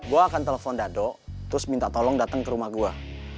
gue akan telepon dado terus minta tolong datang ke rumah gue